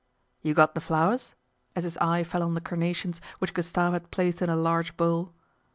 " You got the flowers ?" as his eye fell on the carnations which Gustave had placed in a large bowl.